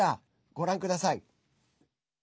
ご覧ください。